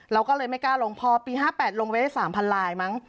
เราก็เลยไม่กล้าลงพอปี๕๘ลงไปได้๓๐๐ลายมั้ง